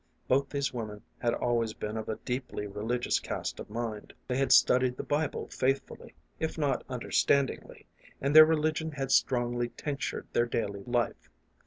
Both these women had always been of a deeply religious cast of mind. They had studied the Bible faithfully, if not understandingly, and their relig ion had strongly tinctured their daily life.